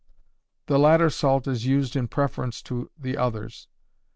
The latter salt is used in preference to the others.